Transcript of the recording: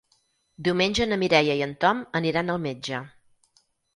Diumenge na Mireia i en Tom aniran al metge.